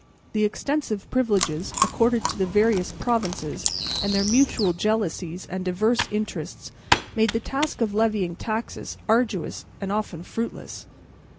The extensive privileges accorded to the various provinces and their mutual jealousies and diverse interests made the task of levying taxes arduous and often fruitless.